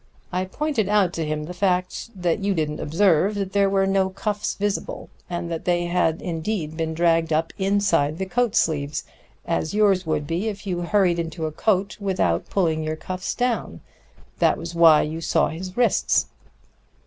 I pointed out to him the fact you didn't observe, that there were no cuffs visible, and that they had indeed been dragged up inside the coat sleeves, as yours would be if you hurried into a coat without pulling your cuffs down. That was why you saw his wrists."